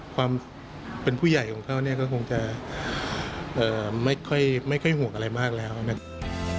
ความเป็นผู้ใหญ่ของเขาเนี่ยก็คงจะไม่ค่อยห่วงอะไรมากแล้วนะครับ